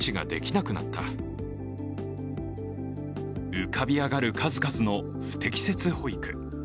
浮かび上がる数々の不適切保育。